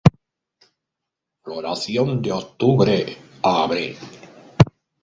Floración de octubre a abril.